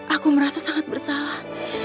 aku merasa sangat bersalah